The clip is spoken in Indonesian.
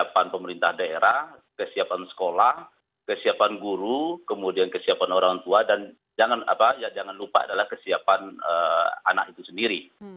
kepan pemerintah daerah kesiapan sekolah kesiapan guru kemudian kesiapan orang tua dan jangan lupa adalah kesiapan anak itu sendiri